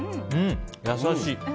優しい。